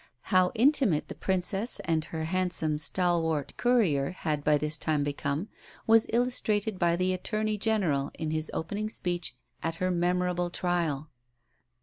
How intimate the Princess and her handsome, stalwart courier had by this time become was illustrated by the Attorney General in his opening speech at her memorable trial.